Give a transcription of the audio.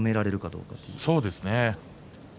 そうですね。